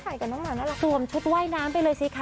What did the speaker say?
ขายกันมากน่ารักสวมชุดว่ายน้ำไปเลยสิค่ะ